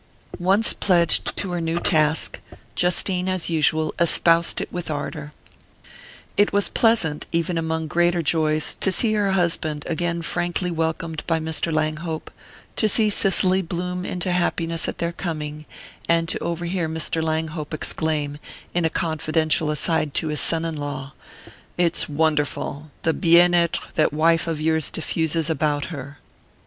Once pledged to her new task, Justine, as usual, espoused it with ardour. It was pleasant, even among greater joys, to see her husband again frankly welcomed by Mr. Langhope; to see Cicely bloom into happiness at their coming; and to overhear Mr. Langhope exclaim, in a confidential aside to his son in law: "It's wonderful, the bien être that wife of yours diffuses about her!"